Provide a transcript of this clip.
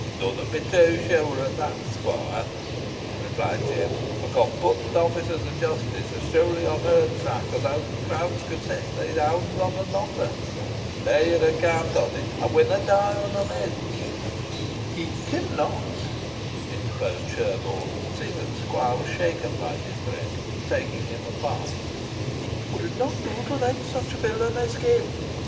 "Dunna be too sure o' that, squoire," replied Jem. "Ey con put t' officers o' jestis os surely on her track os owd Crouch could set these hounds on an otter. Lay yer account on it, ey winna dee unavenged." "Heed him not," interposed Sherborne, seeing that the squire was shaken by his threat, and taking him apart; "it will not do to let such a villain escape.